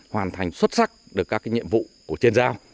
hoàn thành xuất sắc được các nhiệm vụ của trên giao